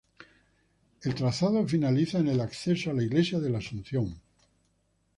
El trazado finaliza en el acceso a la Iglesia de la Asunción.